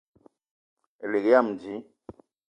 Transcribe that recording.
Elig yam dji